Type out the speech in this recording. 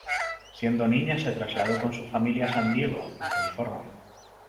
Siendo niña se trasladó con su familia a San Diego, en California.